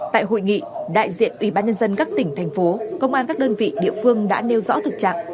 tại hội nghị đại diện ủy ban nhân dân các tỉnh thành phố công an các đơn vị địa phương đã nêu rõ thực trạng